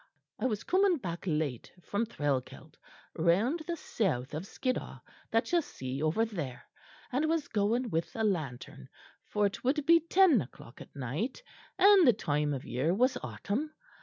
I was coming back late from Threlkeld, round the south of Skiddaw that you see over there; and was going with a lantern, for it would be ten o'clock at night, and the time of year was autumn.